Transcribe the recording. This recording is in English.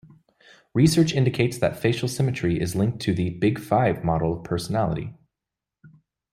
Research indicates that facial symmetry is linked to the 'big-five' model of personality.